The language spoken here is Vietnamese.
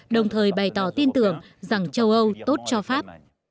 đồng thời bày tỏ tin tưởng rằng châu âu tốt cho pháp